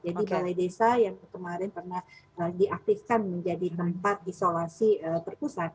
jadi balai desa yang kemarin pernah diaktifkan menjadi tempat isolasi perpusat